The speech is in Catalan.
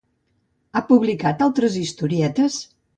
Ha publicat altres historietes?